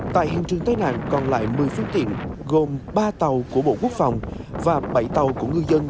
tại hiện trường tái nạn còn lại một mươi phương tiện gồm ba tàu của bộ quốc phòng và bảy tàu của ngư dân